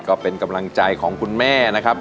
ก็เป็นกำลังใจของคุณแม่นะครับ